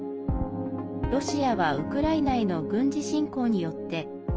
ロシアはウクライナへの軍事侵攻によって。